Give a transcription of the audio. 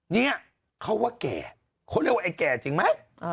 เนี่ยเขาว่าแก่เขาเรียกว่าไอ้แก่จริงไหม